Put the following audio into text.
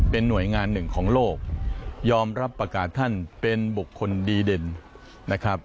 เป็นหน่วยงานหนึ่งของโลกยอมรับประกาศท่านเป็นบุคคลดีเด่นนะครับ